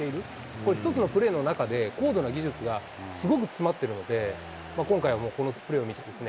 これ、１つのプレーの中で高度な技術がすごく詰まっているので、今回はもうこのプレーを見てですね、